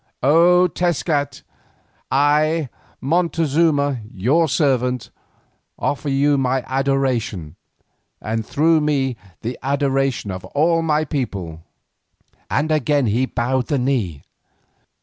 O Tezcat, I, Montezuma your servant, offer you my adoration, and through me the adoration of all my people," and again he bowed the knee.